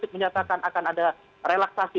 mencatatkan akan ada relaksasi